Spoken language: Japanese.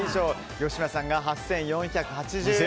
吉村さんが８４８０円。